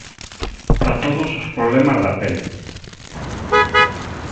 Para todos os problemas da pel.